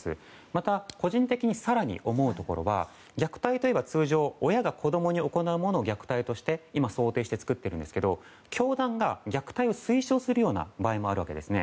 また、個人的に更に思うところが虐待といえば通常親が子供に行うものを想定して作っているんですけど教団が虐待を推奨する場合もあるわけですね。